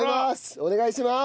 お願いします。